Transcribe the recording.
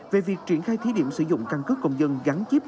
về việc triển khai thí điểm sử dụng căn cứ công dân gắn chip